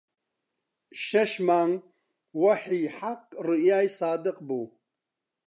شەش مانگ وەحی حەق ڕوئیای سادق بوو